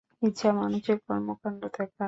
ইচ্ছা মানুষের কর্মকাণ্ড দেখার।